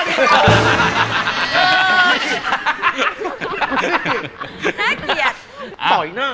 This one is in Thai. น่าเกลียด